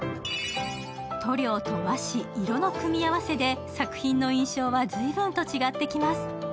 塗料と和紙、色の組み合わせで作品の印象は随分と違ってきます。